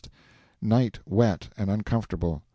Night wet and uncomfortable.